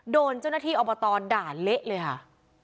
โดนเจ้าหน้าที่อบตด่าเละเลยค่ะ